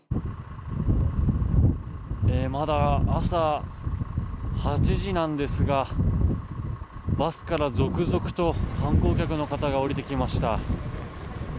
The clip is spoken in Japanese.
まだ朝８時なんですがバスから続々と観光客の方が降りてきました。